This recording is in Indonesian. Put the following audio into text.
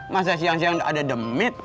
masa siang siang ada demit